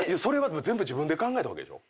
全部自分で考えたわけでしょ？